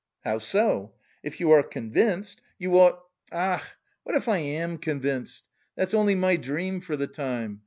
"How so? If you are convinced you ought...." "Ach, what if I am convinced? That's only my dream for the time.